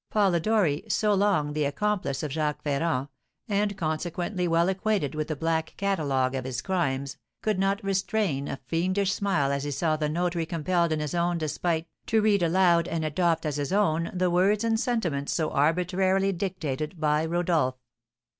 Polidori, so long the accomplice of Jacques Ferrand, and consequently well acquainted with the black catalogue of his crimes, could not restrain a fiendish smile as he saw the notary compelled in his own despite to read aloud and adopt as his own the words and sentiments so arbitrarily dictated by Rodolph.